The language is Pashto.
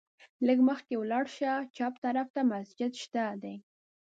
لږ مخکې ولاړ شه، چپ طرف ته مسجد شته دی.